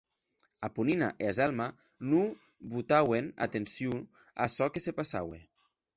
Eponina e Azelma non botauen atencion a çò que se passaue.